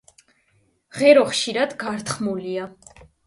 ღერო ხშირად გართხმულია.